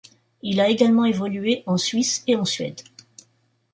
Il a également évolué en Suisse et en Suède.